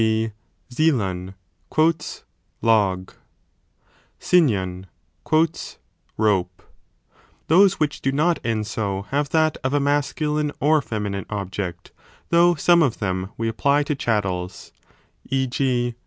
g. v\ov ( log ), cryoiviov ( rope ); those which do not end so have that of a mascu line or feminine object, though some of them we apply to chattels : e. g.